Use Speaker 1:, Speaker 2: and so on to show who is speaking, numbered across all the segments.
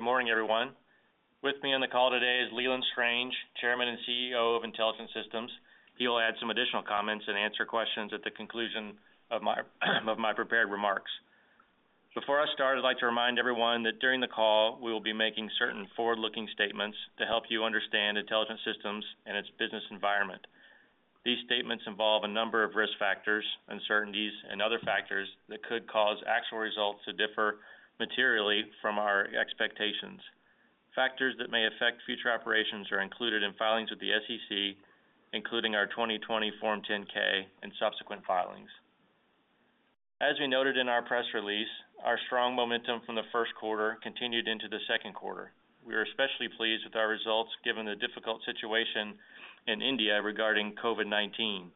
Speaker 1: Good morning, everyone. With me on the call today is Leland Strange, Chairman and CEO of Intelligent Systems. He will add some additional comments and answer questions at the conclusion of my prepared remarks. Before I start, I'd like to remind everyone that during the call, we will be making certain forward-looking statements to help you understand Intelligent Systems and its business environment. These statements involve a number of risk factors, uncertainties, and other factors that could cause actual results to differ materially from our expectations. Factors that may affect future operations are included in filings with the SEC, including our 2020 Form 10-K and subsequent filings. As we noted in our press release, our strong momentum from the first quarter continued into the second quarter. We are especially pleased with our results given the difficult situation in India regarding COVID-19.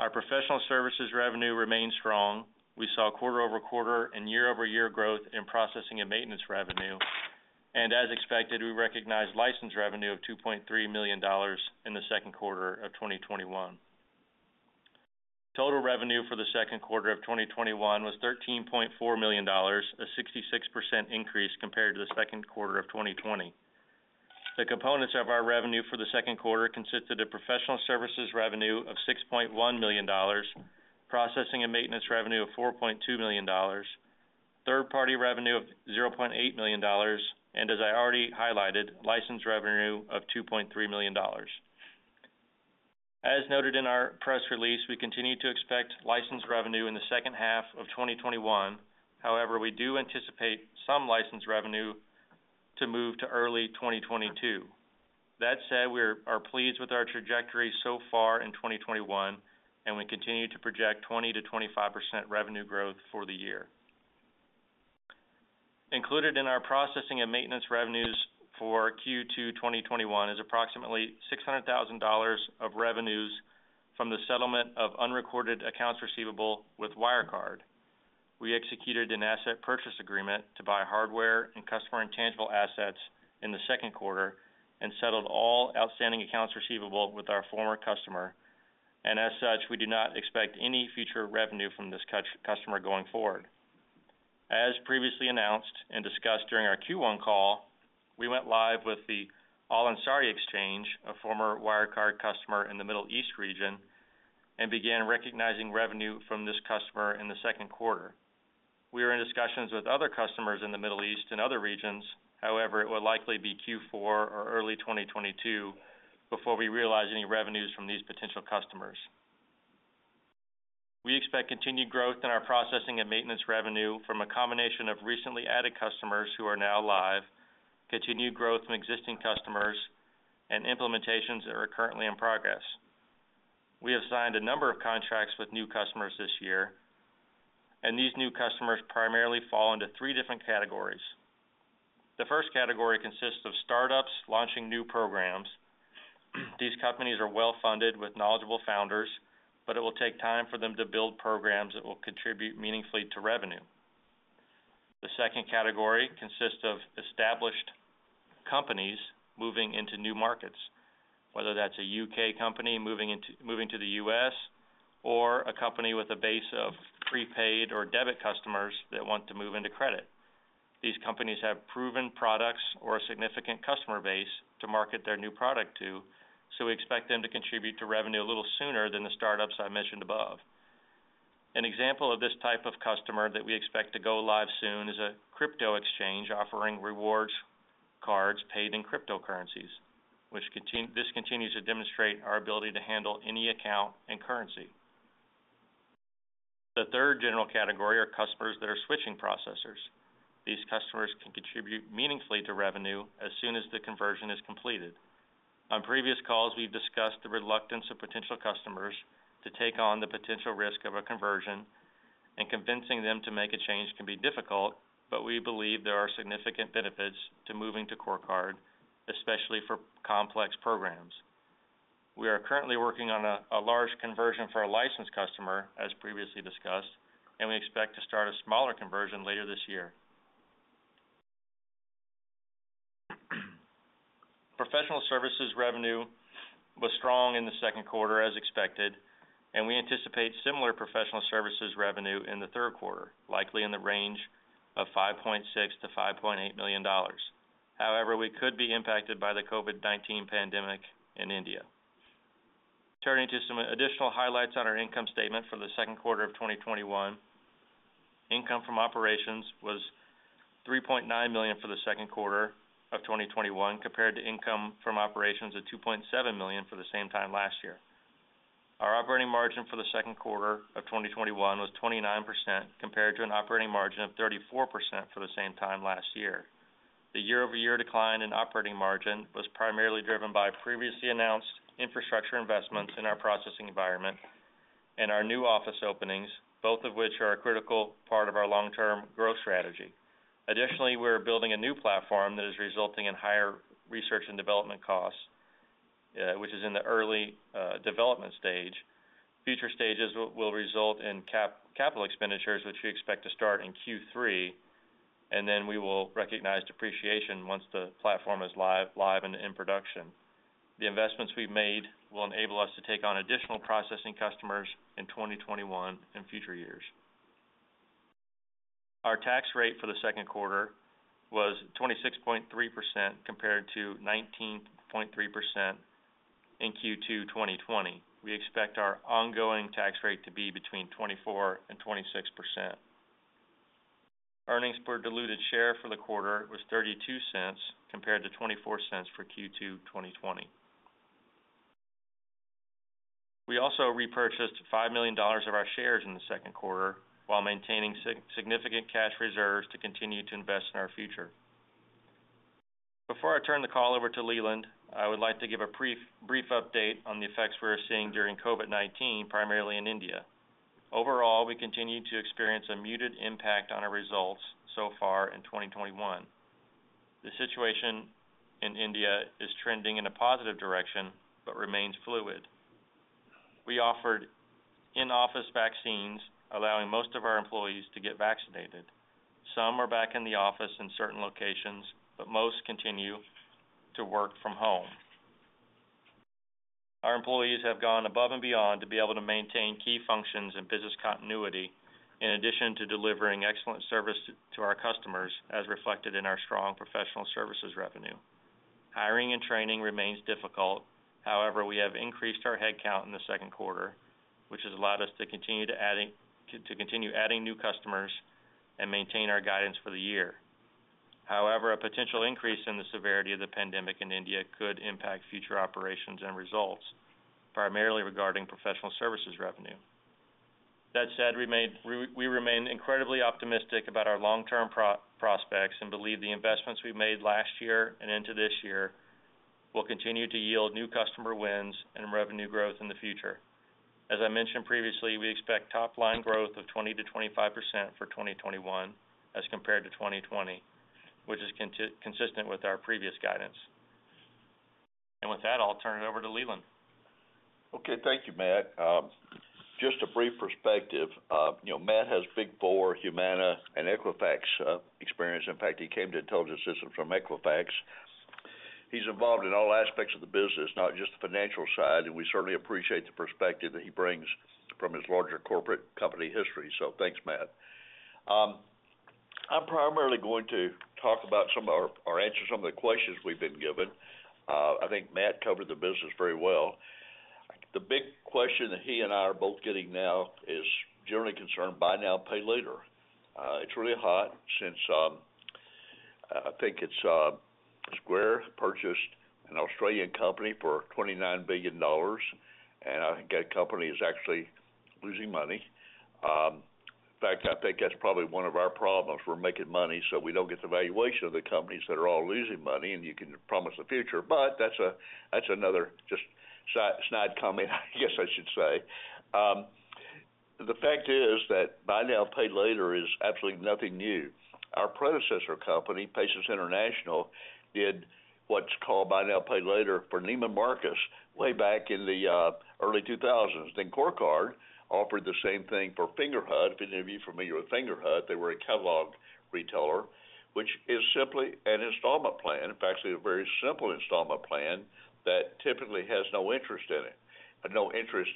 Speaker 1: Our professional services revenue remained strong. We saw quarter-over-quarter and year-over-year growth in processing and maintenance revenue. As expected, we recognized license revenue of $2.3 million in the second quarter of 2021. Total revenue for the second quarter of 2021 was $13.4 million, a 66% increase compared to the second quarter of 2020. The components of our revenue for the second quarter consisted of professional services revenue of $6.1 million, processing and maintenance revenue of $4.2 million, third-party revenue of $0.8 million, and as I already highlighted, license revenue of $2.3 million. As noted in our press release, we continue to expect license revenue in the second half of 2021. We do anticipate some license revenue to move to early 2022. That said, we are pleased with our trajectory so far in 2021, and we continue to project 20%-25% revenue growth for the year. Included in our processing and maintenance revenues for Q2 2021 is approximately $600,000 of revenues from the settlement of unrecorded accounts receivable with Wirecard. We executed an asset purchase agreement to buy hardware and customer intangible assets in the second quarter and settled all outstanding accounts receivable with our former customer, and as such, we do not expect any future revenue from this customer going forward. As previously announced and discussed during our Q1 call, we went live with the Al Ansari Exchange, a former Wirecard customer in the Middle East region, and began recognizing revenue from this customer in the second quarter. We are in discussions with other customers in the Middle East and other regions. However, it will likely be Q4 or early 2022 before we realize any revenues from these potential customers. We expect continued growth in our processing and maintenance revenue from a combination of recently added customers who are now live, continued growth from existing customers, and implementations that are currently in progress. We have signed a number of contracts with new customers this year, and these new customers primarily fall into three different categories. The first category consists of startups launching new programs. These companies are well-funded with knowledgeable founders, but it will take time for them to build programs that will contribute meaningfully to revenue. The second category consists of established companies moving into new markets, whether that's a U.K. company moving to the U.S. or a company with a base of prepaid or debit customers that want to move into credit. These companies have proven products or a significant customer base to market their new product to, so we expect them to contribute to revenue a little sooner than the startups I mentioned above. An example of this type of customer that we expect to go live soon is a crypto exchange offering rewards cards paid in cryptocurrencies. This continues to demonstrate our ability to handle any account and currency. The third general category are customers that are switching processors. These customers can contribute meaningfully to revenue as soon as the conversion is completed. On previous calls, we've discussed the reluctance of potential customers to take on the potential risk of a conversion, and convincing them to make a change can be difficult, but we believe there are significant benefits to moving to CoreCard, especially for complex programs. We are currently working on a large conversion for a licensed customer, as previously discussed, and we expect to start a smaller conversion later this year. Professional services revenue was strong in the second quarter, as expected, and we anticipate similar professional services revenue in the third quarter, likely in the range of $5.6 million-$5.8 million. However, we could be impacted by the COVID-19 pandemic in India. Turning to some additional highlights on our income statement for the second quarter of 2021. Income from operations was $3.9 million for the second quarter of 2021 compared to income from operations of $2.7 million for the same time last year. Our operating margin for the second quarter of 2021 was 29% compared to an operating margin of 34% for the same time last year. The year-over-year decline in operating margin was primarily driven by previously announced infrastructure investments in our processing environment and our new office openings, both of which are a critical part of our long-term growth strategy. Additionally, we're building a new platform that is resulting in higher research and development costs, which is in the early development stage. Future stages will result in capital expenditures, which we expect to start in Q3, and then we will recognize depreciation once the platform is live and in production. The investments we've made will enable us to take on additional processing customers in 2021 and future years. Our tax rate for the second quarter was 26.3% compared to 19.3% in Q2 2020. We expect our ongoing tax rate to be between 24%-26%. Earnings per diluted share for the quarter was $0.32 compared to $0.24 for Q2 2020. We also repurchased $5 million of our shares in the second quarter while maintaining significant cash reserves to continue to invest in our future. Before I turn the call over to Leland, I would like to give a brief update on the effects we're seeing during COVID-19, primarily in India. Overall, we continue to experience a muted impact on our results so far in 2021. The situation in India is trending in a positive direction but remains fluid. We offered in-office vaccines, allowing most of our employees to get vaccinated. Some are back in the office in certain locations, but most continue to work from home. Our employees have gone above and beyond to be able to maintain key functions and business continuity, in addition to delivering excellent service to our customers, as reflected in our strong professional services revenue. Hiring and training remains difficult. However, we have increased our headcount in the second quarter, which has allowed us to continue adding new customers and maintain our guidance for the year. A potential increase in the severity of the pandemic in India could impact future operations and results, primarily regarding professional services revenue. That said, we remain incredibly optimistic about our long-term prospects and believe the investments we made last year and into this year will continue to yield new customer wins and revenue growth in the future. As I mentioned previously, we expect top-line growth of 20%-25% for 2021 as compared to 2020, which is consistent with our previous guidance. I'll turn it over to Leland.
Speaker 2: Okay. Thank you, Matt. Just a brief perspective. Matt has Big Four, Humana, and Equifax experience. In fact, he came to Intelligent Systems from Equifax. He's involved in all aspects of the business, not just the financial side, and we certainly appreciate the perspective that he brings from his larger corporate company history. Thanks, Matt. I'm primarily going to talk about or answer some of the questions we've been given. I think Matt covered the business very well. The big question that he and I are both getting now is generally concerned buy now, pay later. It's really hot since, I think it's Square purchased an Australian company for $29 billion, and I think that company is actually losing money. In fact, I think that's probably one of our problems. We're making money, so we don't get the valuation of the companies that are all losing money, and you can promise the future, but that's another just snide comment, I guess I should say. The fact is that buy now, pay later is absolutely nothing new. Our predecessor company, PaySys International, did what's called buy now, pay later for Neiman Marcus way back in the early 2000s. CoreCard offered the same thing for Fingerhut. If any of you familiar with Fingerhut, they were a catalog retailer, which is simply an installment plan. In fact, it's a very simple installment plan that typically has no interest in it, but no interest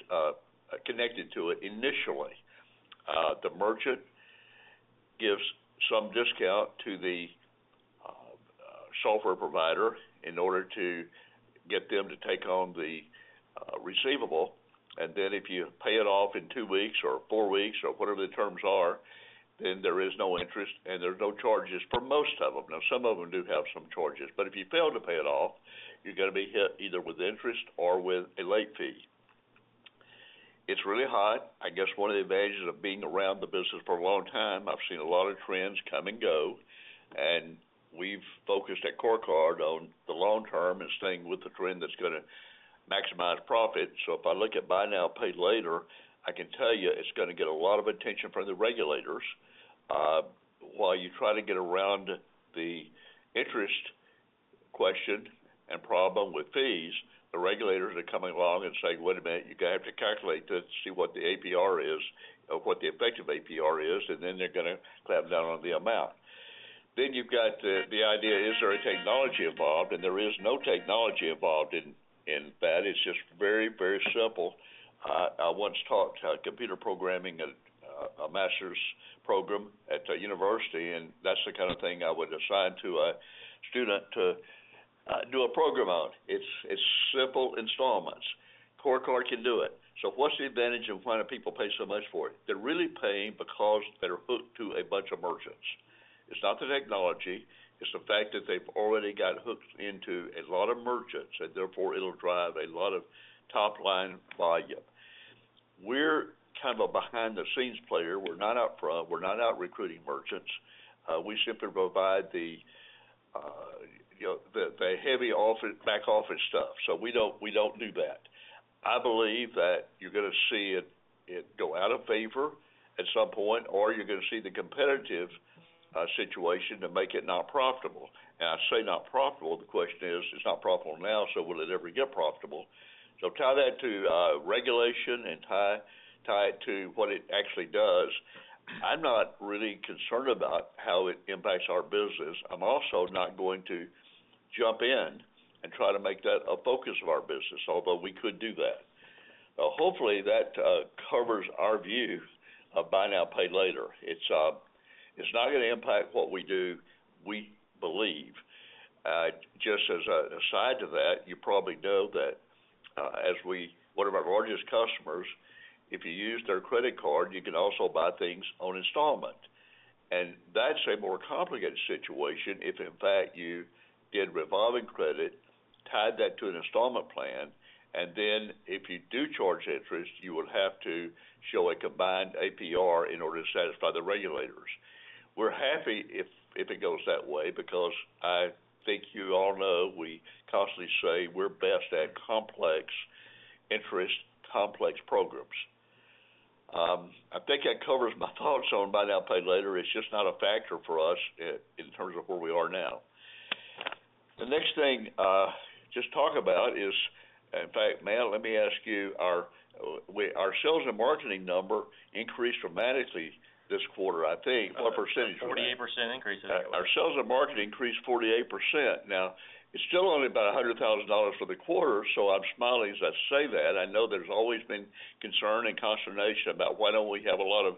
Speaker 2: connected to it initially. The merchant gives some discount to the software provider in order to get them to take on the receivable, and then if you pay it off in two weeks or four weeks or whatever the terms are, then there is no interest and there's no charges for most of them. Now, some of them do have some charges. If you fail to pay it off, you're going to be hit either with interest or with a late fee. It's really hot. I guess one of the advantages of being around the business for a long time, I've seen a lot of trends come and go, and we've focused at CoreCard on the long term and staying with the trend that's going to maximize profit. If I look at buy now, pay later, I can tell you it's going to get a lot of attention from the regulators. While you try to get around the interest question and problem with fees, the regulators are coming along and saying, "Wait a minute, you're going to have to calculate to see what the APR is or what the effective APR is," and then they're going to clamp down on the amount. You've got the idea, is there a technology involved? There is no technology involved in that. It's just very, very simple. I once taught computer programming at a master's program at a university, and that's the kind of thing I would assign to a student to do a program on. It's simple installments. CoreCard can do it. What's the advantage, and why do people pay so much for it? They're really paying because they're hooked to a bunch of merchants. It's not the technology, it's the fact that they've already got hooked into a lot of merchants, and therefore, it'll drive a lot of top-line volume. We're kind of a behind-the-scenes player. We're not out recruiting merchants. We simply provide the heavy back office stuff. We don't do that. I believe that you're going to see it go out of favor at some point, or you're going to see the competitive situation to make it not profitable. I say not profitable, the question is, it's not profitable now, so will it ever get profitable? Tie that to regulation and tie it to what it actually does. I'm not really concerned about how it impacts our business. I'm also not going to jump in and try to make that a focus of our business, although we could do that. Hopefully, that covers our view of buy now, pay later. It's not going to impact what we do, we believe. Just as an aside to that, you probably know that 1 of our largest customers, if you use their credit card, you can also buy things on installment. That's a more complicated situation if, in fact, you did revolving credit, tied that to an installment plan, and then if you do charge interest, you would have to show a combined APR in order to satisfy the regulators. We're happy if it goes that way because I think you all know we constantly say we're best at complex interest, complex programs. I think that covers my thoughts on buy now, pay later. It's just not a factor for us in terms of where we are now. The next thing to just talk about is, in fact, Matt, let me ask you, our sales and marketing number increased dramatically this quarter. I think, what percentage was that?
Speaker 1: 48% increase.
Speaker 2: Our sales and marketing increased 48%. It's still only about $100,000 for the quarter, so I'm smiling as I say that. I know there's always been concern and consternation about why don't we have a lot of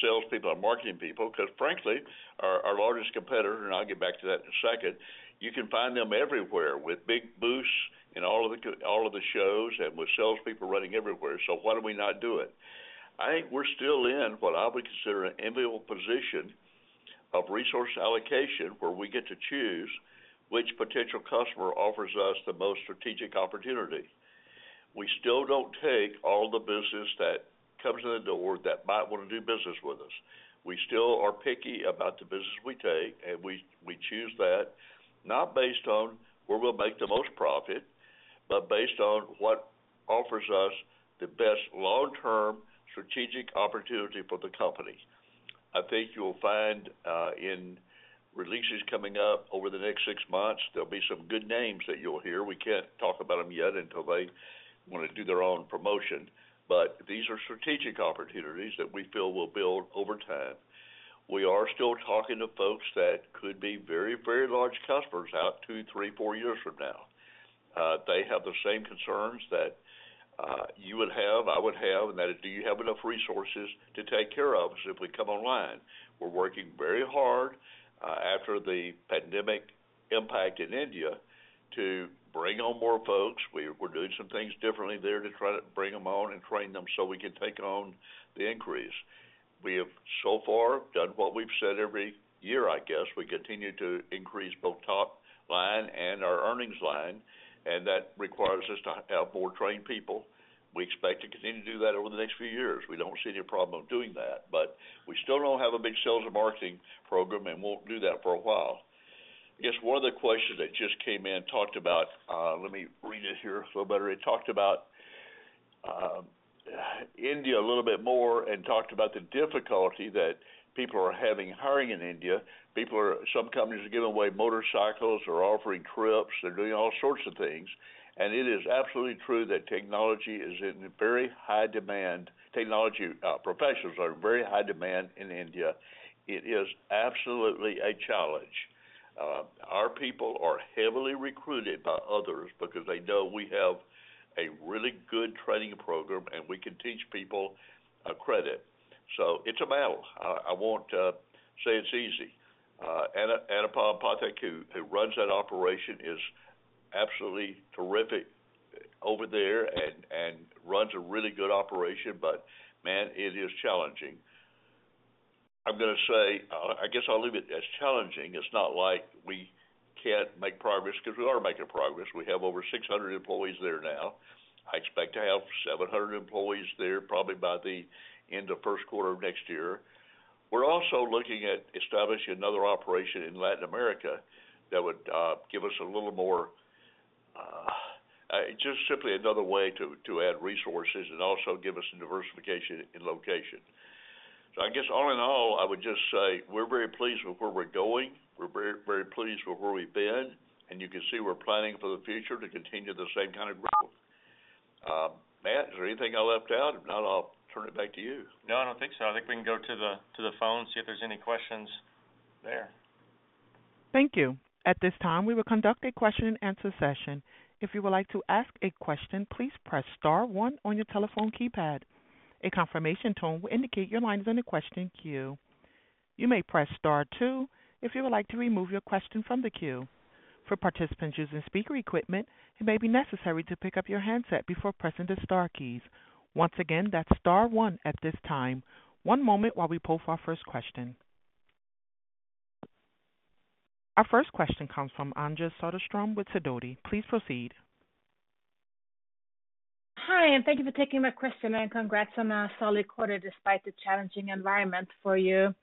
Speaker 2: salespeople and marketing people. Frankly, our largest competitor, and I'll get back to that in a second, you can find them everywhere with big booths in all of the shows and with salespeople running everywhere. Why do we not do it? I think we're still in what I would consider an enviable position of resource allocation, where we get to choose which potential customer offers us the most strategic opportunity. We still don't take all the business that comes in the door that might want to do business with us. We still are picky about the business we take, and we choose that not based on where we'll make the most profit, but based on what offers us the best long-term strategic opportunity for the company. I think you'll find in releases coming up over the next six months, there'll be some good names that you'll hear. We can't talk about them yet until they want to do their own promotion. These are strategic opportunities that we feel will build over time. We are still talking to folks that could be very large customers out two, three, four years from now. They have the same concerns that you would have, I would have, and that is, do you have enough resources to take care of us if we come online? We're working very hard after the pandemic impact in India to bring on more folks. We're doing some things differently there to try to bring them on and train them so we can take on the increase. We have so far done what we've said every year, I guess. We continue to increase both top line and our earnings line, and that requires us to have more trained people. We expect to continue to do that over the next few years. We don't see any problem of doing that, but we still don't have a big sales and marketing program and won't do that for a while. I guess one of the questions that just came in talked about, let me read it here so I better. It talked about India a little bit more and talked about the difficulty that people are having hiring in India. Some companies are giving away motorcycles or offering trips. They're doing all sorts of things. It is absolutely true that technology is in very high demand. Technology professionals are in very high demand in India. It is absolutely a challenge. Our people are heavily recruited by others because they know we have a really good training program, and we can teach people credit. It's a battle. I won't say it's easy. Anupam Pathak, who runs that operation, is absolutely terrific over there and runs a really good operation. Man, it is challenging. I'm going to say, I guess I'll leave it as challenging. It's not like we can't make progress because we are making progress. We have over 600 employees there now. I expect to have 700 employees there probably by the end of first quarter of next year. We're also looking at establishing another operation in Latin America that would give us just simply another way to add resources and also give us a diversification in location. I guess all in all, I would just say we're very pleased with where we're going. We're very pleased with where we've been, and you can see we're planning for the future to continue the same kind of growth. Matt, is there anything I left out? If not, I'll turn it back to you.
Speaker 1: No, I don't think so. I think we can go to the phone, see if there's any questions there.
Speaker 3: Thank you. At this time, we will conduct a question and answer session. If you would like to ask a question, please press star one on your telephone keypad. A confirmation tone will indicate your line is in the question queue. You may press star two if you would like to remove your question from the queue. For participants using speaker equipment, it may be necessary to pick up your handset before pressing the star keys. Once again, that's star one at this time. One moment while we poll for our first question. Our first question comes from Anja Soderstrom with Sidoti. Please proceed.
Speaker 4: Hi. Thank you for taking my question. Congrats on a solid quarter despite the challenging environment for you.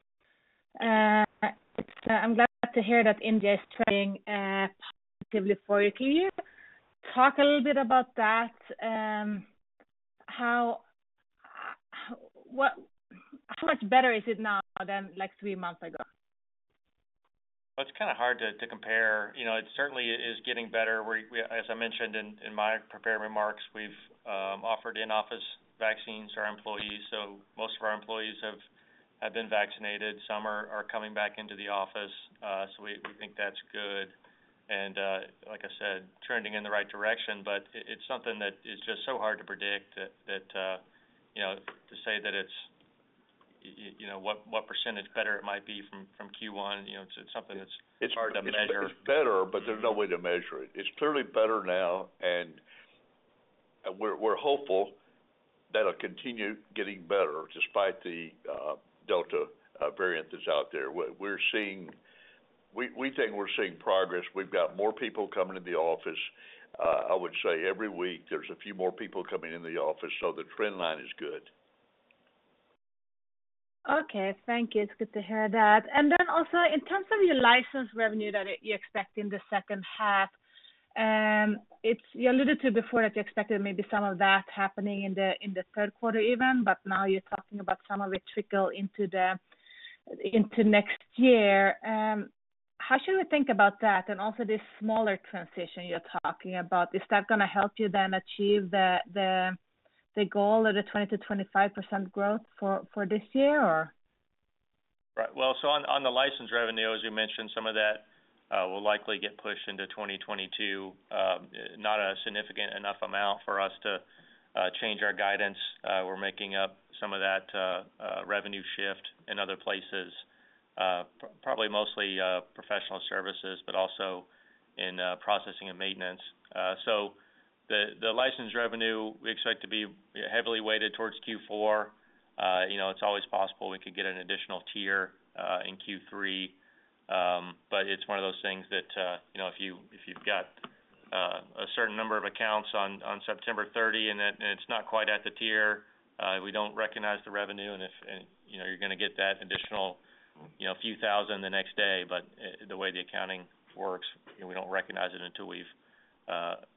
Speaker 4: I'm glad to hear that India is trending positively for you. Can you talk a little bit about that? How much better is it now than three months ago?
Speaker 1: It's kind of hard to compare. It certainly is getting better. As I mentioned in my prepared remarks, we've offered in-office vaccines to our employees, so most of our employees have been vaccinated. Some are coming back into the office. We think that's good and, like I said, trending in the right direction, but it's something that is just so hard to predict. To say what percentage better it might be from Q1, it's something that's hard to measure.
Speaker 2: It's better. There's no way to measure it. It's clearly better now. We're hopeful that'll continue getting better despite the Delta variant that's out there. We think we're seeing progress. We've got more people coming in the office. I would say every week, there's a few more people coming in the office. The trend line is good.
Speaker 4: Okay, thank you. It's good to hear that. Then also, in terms of your license revenue that you expect in the second half, you alluded to before that you expected maybe some of that happening in the third quarter even, but now you're talking about some of it trickle into next year. How should we think about that, and also this smaller transition you're talking about? Is that going to help you then achieve the goal of the 20%-25% growth for this year or?
Speaker 1: Right. Well, on the license revenue, as you mentioned, some of that will likely get pushed into 2022. Not a significant enough amount for us to change our guidance. We're making up some of that revenue shift in other places. Probably mostly professional services, also in processing and maintenance. The license revenue, we expect to be heavily weighted towards Q4. It's always possible we could get an additional tier in Q3. It's one of those things that if you've got a certain number of accounts on September 30 and it's not quite at the tier, we don't recognize the revenue. You're going to get that additional few thousand the next day. The way the accounting works, we don't recognize it until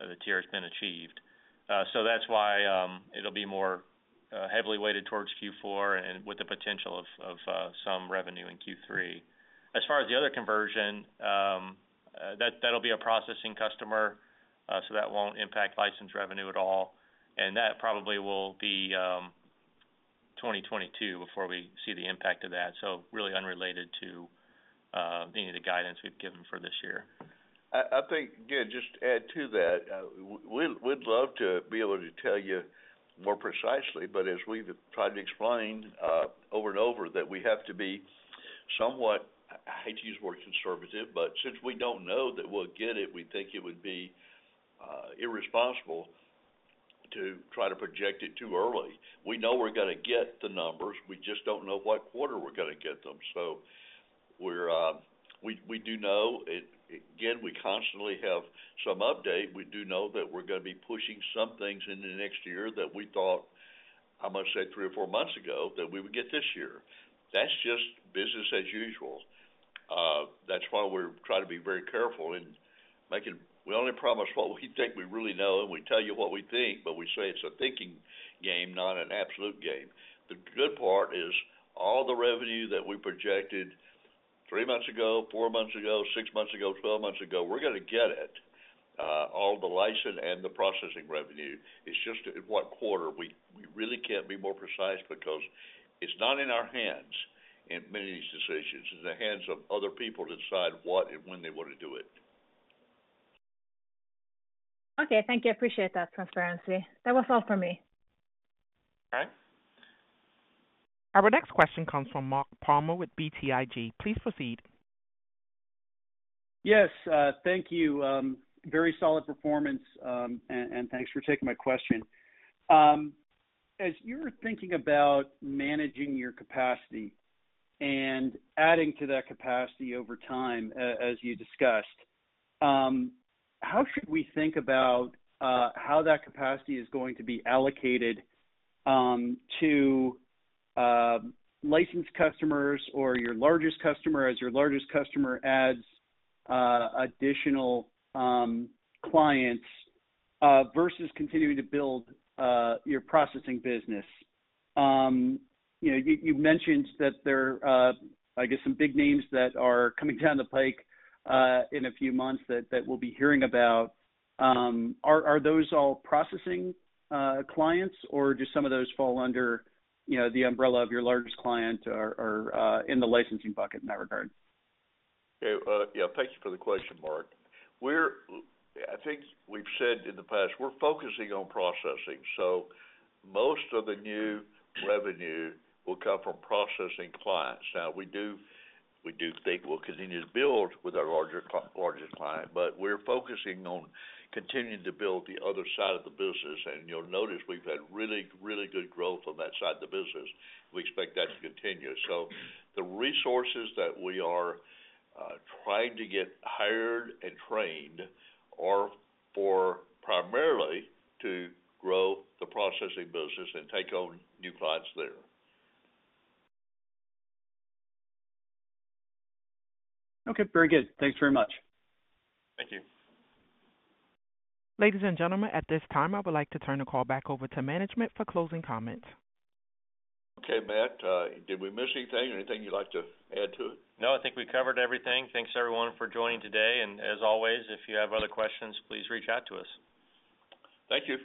Speaker 1: the tier has been achieved. That's why it'll be more heavily weighted towards Q4 and with the potential of some revenue in Q3. As far as the other conversion, that'll be a processing customer, so that won't impact license revenue at all. That probably will be 2022 before we see the impact of that. Really unrelated to any of the guidance we've given for this year.
Speaker 2: I think, again, just to add to that, we'd love to be able to tell you more precisely, but as we've tried to explain over and over that we have to be somewhat, I hate to use the word conservative, but since we don't know that we'll get it, we think it would be irresponsible to try to project it too early. We know we're going to get the numbers, we just don't know what quarter we're going to get them. We do know, again, we constantly have some update. We do know that we're going to be pushing some things into next year that we thought, I'm going to say three or four months ago, that we would get this year. That's just business as usual. That's why we try to be very careful in making. We only promise what we think we really know, and we tell you what we think, but we say it's a thinking game, not an absolute game. The good part is all the revenue that we projected three months ago, four months ago, six months ago, 12 months ago, we're going to get it. All the license and the processing revenue. It's just in what quarter. We really can't be more precise because it's not in our hands in many of these decisions. It's in the hands of other people to decide what and when they want to do it.
Speaker 4: Okay. Thank you. I appreciate that transparency. That was all for me.
Speaker 2: Okay.
Speaker 3: Our next question comes from Mark Palmer with BTIG. Please proceed.
Speaker 5: Yes. Thank you. Very solid performance, and thanks for taking my question. As you're thinking about managing your capacity and adding to that capacity over time, as you discussed, how should we think about how that capacity is going to be allocated to licensed customers or your largest customer as your largest customer adds additional clients versus continuing to build your processing business? You've mentioned that there are, I guess, some big names that are coming down the pike in a few months that we'll be hearing about. Are those all processing clients or do some of those fall under the umbrella of your largest client or in the licensing bucket in that regard?
Speaker 2: Yeah. Thank you for the question, Mark. I think we've said in the past, we're focusing on processing, most of the new revenue will come from processing clients. Now, we do think we'll continue to build with our largest client, we're focusing on continuing to build the other side of the business. You'll notice we've had really, really good growth on that side of the business. We expect that to continue. The resources that we are trying to get hired and trained are for primarily to grow the processing business and take on new clients there.
Speaker 5: Okay. Very good. Thanks very much.
Speaker 2: Thank you.
Speaker 3: Ladies and gentlemen, at this time, I would like to turn the call back over to management for closing comments.
Speaker 2: Okay, Matt, did we miss anything? Anything you'd like to add to it?
Speaker 1: No, I think we covered everything. Thanks, everyone, for joining today. As always, if you have other questions, please reach out to us.
Speaker 2: Thank you.